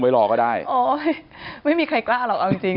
รอก็ได้โอ้ยไม่มีใครกล้าหรอกเอาจริงจริง